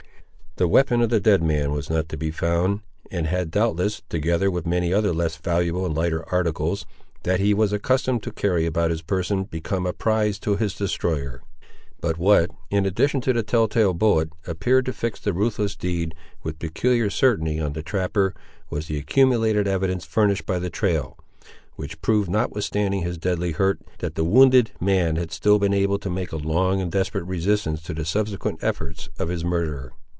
The weapon of the dead man was not to be found, and had doubtless, together with many other less valuable and lighter articles, that he was accustomed to carry about his person, become a prize to his destroyer. But what, in addition to the tell tale bullet, appeared to fix the ruthless deed with peculiar certainty on the trapper, was the accumulated evidence furnished by the trail; which proved, notwithstanding his deadly hurt, that the wounded man had still been able to make a long and desperate resistance to the subsequent efforts of his murderer.